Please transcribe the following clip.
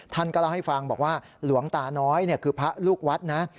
ท่านก็เล่าให้ฟังบอกว่าหลวงตาน้อยคือพระลูกวัดนะ